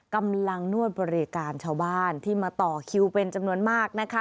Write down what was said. นวดบริการชาวบ้านที่มาต่อคิวเป็นจำนวนมากนะคะ